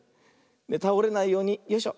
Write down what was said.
たおれないようによいしょ。